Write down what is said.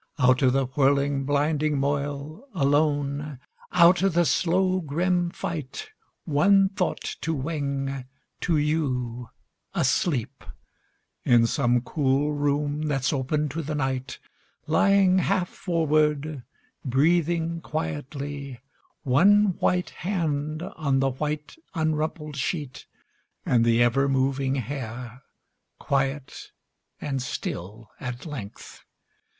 Out of the whirling blinding moil, alone, Out of the slow grim fight, One thought to wing to you, asleep, In some cool room that's open to the night Lying half forward, breathing quietly, One white hand on the white Unrumpled sheet, and the ever moving hair Quiet and still at length!